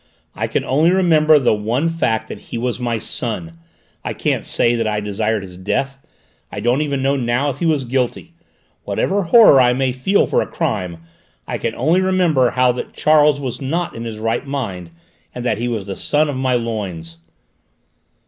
"I can only remember the one fact that he was my son. I can't say that I desired his death. I don't even know now if he was guilty. Whatever horror I may feel for a crime, I can only remember now that Charles was not in his right mind, and that he was the son of my loins!"